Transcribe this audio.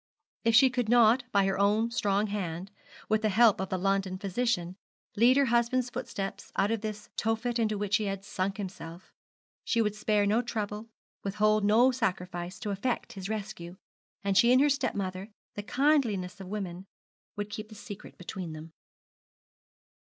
If she could, by her own strong hand, with the help of the London physician, lead her husband's footsteps out of this Tophet into which he had sunk himself, she would spare no trouble, withhold no sacrifice, to effect his rescue, and she and her stepmother, the kindliest of women, would keep the secret between them.